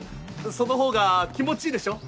そのほうが気持ちいいでしょう？